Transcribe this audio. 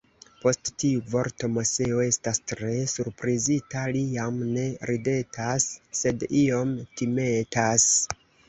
Post tiu vorto Moseo estas tre surprizita, li jam ne ridetas, sed iom timetas.